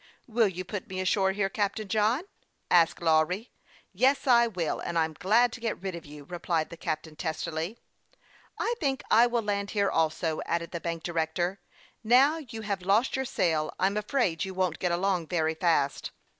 "Will you put me ashore here, Captain John?" asked Lawry. " Yes, I will ; and I'm glad to get rid of you," replied the captain, testily. " I think I will land here, also,'' added the bank director. " Now you have lost your sail, I'm afraid you won't get along very fast."